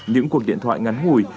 những cuộc điện thoại ngắn ngủi